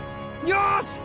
よし！